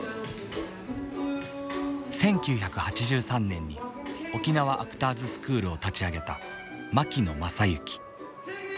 １９８３年に沖縄アクターズスクールを立ち上げたマキノ正幸。